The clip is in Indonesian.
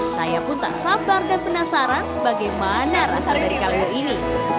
saya pun tak sabar dan penasaran bagaimana rasa dari kaledo ini